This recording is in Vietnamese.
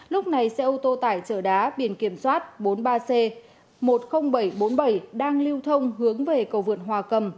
lúc này xe ô tô tải chở đá biển kiểm soát bốn mươi ba c một mươi nghìn bảy trăm bốn mươi bảy đang lưu thông hướng về cầu vượt hòa cầm